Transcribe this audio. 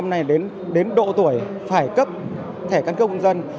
tất cả các cháu học sinh năm nay đến độ tuổi phải cấp thẻ căn cước công dân